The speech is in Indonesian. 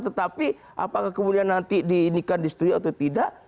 tetapi apakah kemudian nanti diindikan di studio atau tidak